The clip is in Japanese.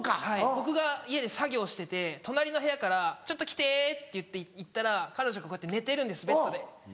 僕が家で作業してて隣の部屋から「ちょっと来て」っていって行ったら彼女がこうやって寝てるんですベッドで。